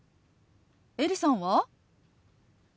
エリさんは？